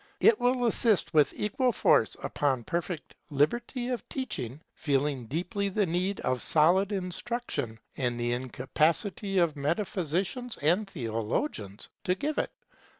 It will insist with equal force upon perfect liberty of teaching, feeling deeply the need of solid instruction, and the incapacity of metaphysicians and theologians to give it.